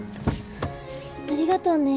ありがとね。